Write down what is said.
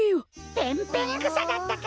ペンペングサだったか。